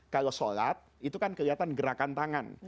kalau sholat itu kan kelihatan gerakan tangan